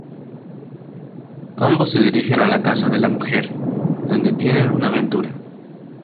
Ambos se dirigen a la casa de la mujer, donde tienen una aventura.